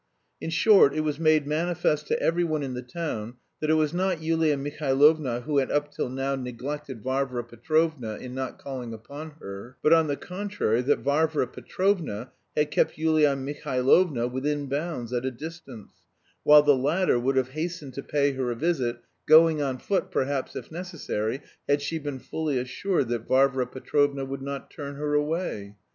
In short it was made manifest to every one in the town that it was not Yulia Mihailovna who had up till now neglected Varvara Petrovna in not calling upon her, but on the contrary that Varvara Petrovna had "kept Yulia Mihailovna within bounds at a distance, while the latter would have hastened to pay her a visit, going on foot perhaps if necessary, had she been fully assured that Varvara Petrovna would not turn her away."